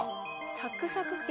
サクサク剣。